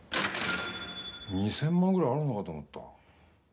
２０００万円ぐらいあるのかと思った。